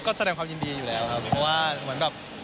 ก็แสดงความยินดีอยู่แล้วครับเพราะว่าเหมือนแบบ